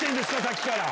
さっきから。